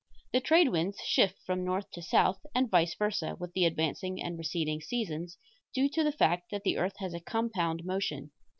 The trade winds shift from north to south and vice versa with the advancing and receding seasons, due to the fact that the earth has a compound motion.